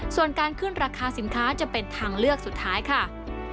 ส่วนการขึ้นราคาสินค้าจะเป็นทางเลือกสุดท้ายค่ะ